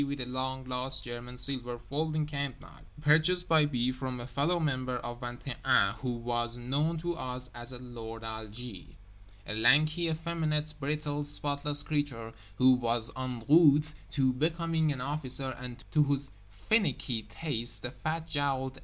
with a long lost German silver folding camp knife, purchased by B. from a fellow member of Vingt et Un who was known to us as "Lord Algie"—a lanky, effeminate, brittle, spotless creature who was en route to becoming an officer and to whose finicky tastes the fat jowled A.